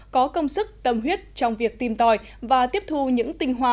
có công sức tâm huyết trong việc tìm tòi và tiếp thu những tinh hoa